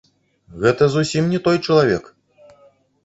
Гэта зусім не той чалавек!